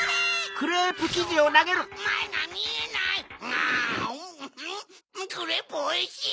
クレープおいしい！